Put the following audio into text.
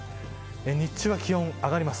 日中は気温が上がります。